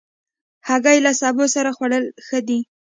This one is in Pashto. هګۍ له سبو سره خوړل ښه دي.